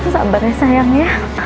sabar ya sayang ya